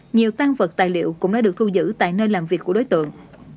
nhiều tan vật tài liệu cũng đã được thu giữ tại nơi làm việc của đối tượng